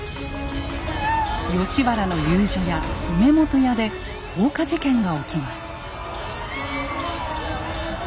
吉原の遊女屋「梅本屋」で放火事件が起きます。